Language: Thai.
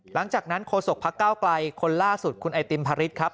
หลังจากนั้นโฆษกพักเก้าไกลคนล่าสุดคุณไอติมพระฤทธิครับ